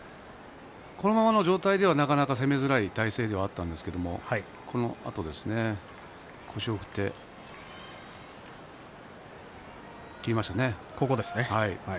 このままの状態では攻めづらい体勢だったんですがこのあと腰を振って切りましたね。